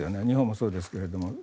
日本もそうですけれども。